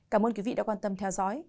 cảm ơn quý vị đã quan tâm theo dõi